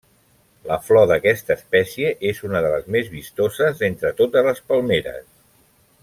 La flor d'aquesta espècie és una de les més vistoses d'entre totes les palmeres.